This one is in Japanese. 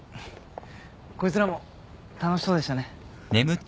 こいつらも楽しそうでしたね。